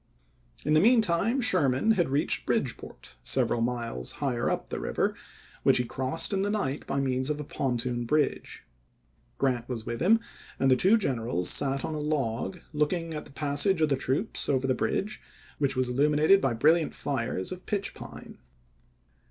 In the mean time Sherman had reached Bridge port, several miles higher up the river, which he crossed in the night by means of a pontoon bridge. Grant was with him, and the two generals sat on a "MemS" log looking at the passage of the troops over the p?324.' bridge, which was illuminated by brilliant fires of pitch pine.